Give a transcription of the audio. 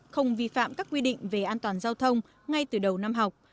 không vi phạm các quy định về an toàn giao thông ngay từ đầu năm học